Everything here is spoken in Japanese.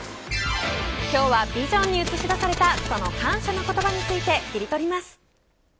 今日はビジョンに映し出されたその感謝の言葉について切り取ります。